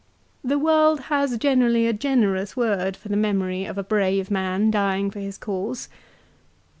" The world has generally a generous word for the memory of a brave man dying for his cause!"